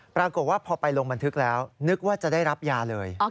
ปรากฏว่าพอไปลงบันทึกแล้วนึกว่าจะได้รับยาเลย